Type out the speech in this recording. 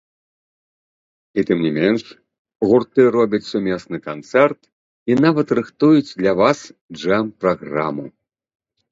І, тым не менш, гурты робяць сумесны канцэрт і нават рыхтуюць для вас джэм-праграму.